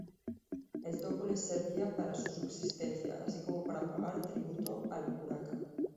El topo les servía para su subsistencia, así como para pagar tributo al curaca.